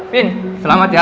fin selamat ya